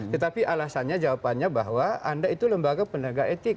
tetapi alasannya jawabannya bahwa anda itu lembaga penegak etik